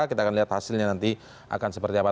kita akan lihat hasilnya nanti akan seperti apa